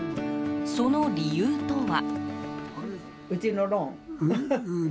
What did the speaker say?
その理由とは。